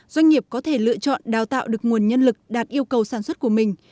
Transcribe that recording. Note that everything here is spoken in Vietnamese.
doanh nghiệp có thể lựa chọn đào tạo được nguồn nhân lực đạt yêu cầu sản xuất của mình